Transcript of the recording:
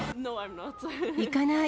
行かない。